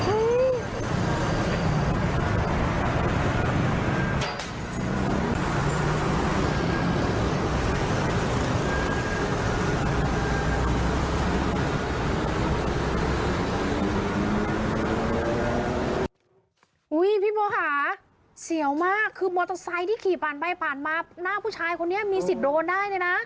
พี่โบ๊ขาเสียวมากคือมอเตอร์ไซค์ที่ขี่ผ่านไปผ่านมาหน้าผู้ชายคนนี้มีสิทธิ์โดนได้เลยนะ